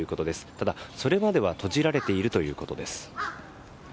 ただ、それまでは閉じられているということです。